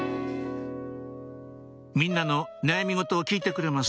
みんなの悩み事を聞いてくれます